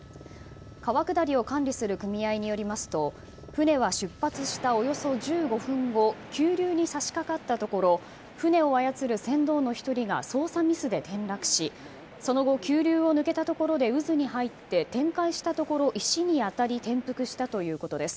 川下りを管理する組合によりますと船は出発した、およそ１５分後急流に差しかかったところ船を操る船頭の１人が操作ミスで転落しその後、急流を抜けたところで渦に入って転回したところ、石に当たり転覆したということです。